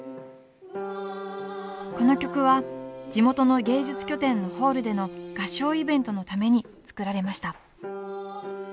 この曲は地元の芸術拠点のホールでの合唱イベントのために作られました。